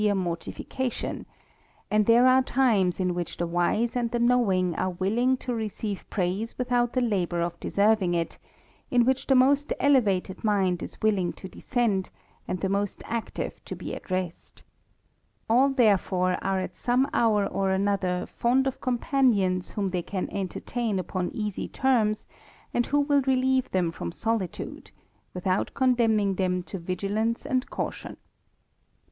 ^r;— mortification ; and there arc times in which the wise an4 I ^^e'knowing are willing to receive praise without the laboig of deserving it, in which the most elev ated min d is willii " to descend, and the most active to be at rest A ll there fore are at some hour or another fond of companions whom thej can entertain upon easy terms, and who will relieve thfiiS from solitude, without condemning them to vigHance's caution.